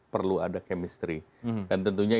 perlu ada chemistry dan tentunya